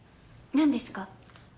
何ですか？